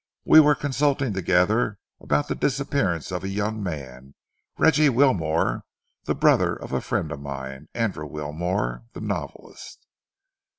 We were consulting together about the disappearance of a young man, Reggie Wilmore, the brother of a friend of mine Andrew Wilmore, the novelist."